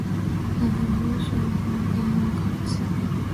The publisher is Andy Oakes.